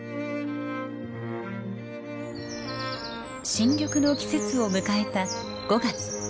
新緑の季節を迎えた５月。